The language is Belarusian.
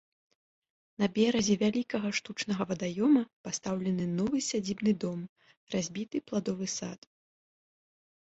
На беразе вялікага штучнага вадаёма пастаўлены новы сядзібны дом, разбіты пладовы сад.